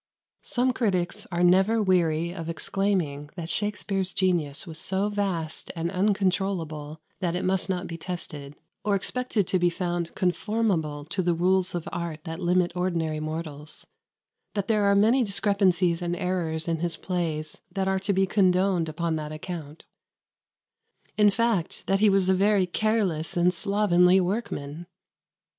Some critics are never weary of exclaiming that Shakspere's genius was so vast and uncontrollable that it must not be tested, or expected to be found conformable to the rules of art that limit ordinary mortals; that there are many discrepancies and errors in his plays that are to be condoned upon that account; in fact, that he was a very careless and slovenly workman.